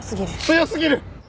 強過ぎる！